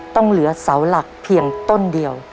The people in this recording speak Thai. ต้องเหลือเสาหลักเพียงต้นเดียว